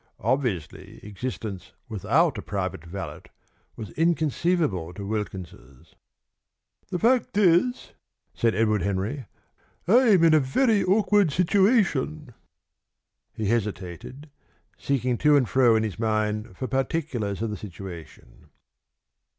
Obviously existence without a private valet was inconceivable to Wilkins's. "The fact is," said Edward Henry, "I'm in a very awkward situation." He hesitated, seeking to and fro in his mind for particulars of the situation.